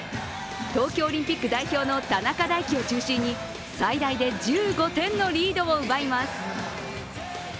東京オリンピック代表の田中大貴を中心に最大で１５点のリードを奪います。